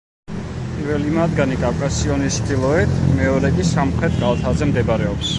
პირველი მათგანი კავკასიონის ჩრდილოეთ, მეორე კი სამხრეთ კალთაზე მდებარეობს.